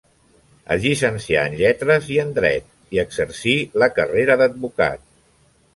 Es llicencià en lletres i en dret i exercí la carrera d'advocat.